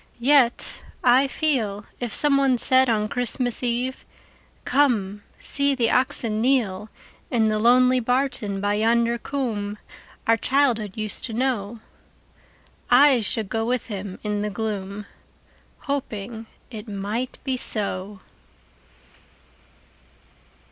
Yet, I feel, If someone said on Christmas Eve, "Come; see the oxen kneel,"In the lonely barton by yonder coomb Our childhood used to know,"I should go with him in the gloom, Hoping it might be so.